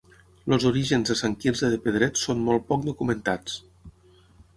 Els orígens de Sant Quirze de Pedret són molt poc documentats.